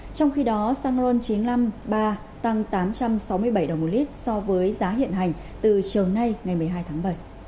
trong khi đó xăng ron chín trăm năm mươi ba tăng tám trăm sáu mươi bảy đồng một lít so với giá hiện hành từ chiều nay ngày một mươi hai tháng bảy